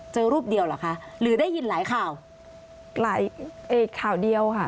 รูปเดียวเหรอคะหรือได้ยินหลายข่าวหลายข่าวเดียวค่ะ